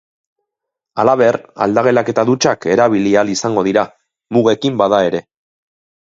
Halaber, aldagelak eta dutxak erabili ahal izango dira, mugekin bada ere.